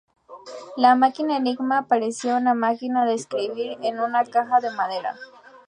La máquina Enigma parecía una máquina de escribir en una caja de madera.